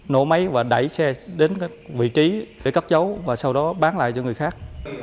nổ máy và đẩy xe đến vị trí để cắt dấu và sau đó bán lại cho người khác